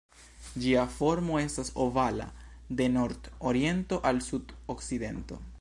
Ĝia formo estas ovala, de nord-oriento al sud-okcidento.